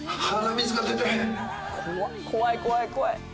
怖い怖い怖い。